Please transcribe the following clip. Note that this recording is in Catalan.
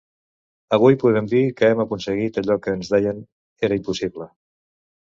Avui podem dir que hem aconseguit allò que ens deien era impossible.